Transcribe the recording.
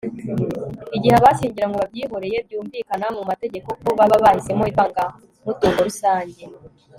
igihe abashyingiranywe babyihoreye byumvikana mu mategeko ko baba bahisemo ivangamutungo rusange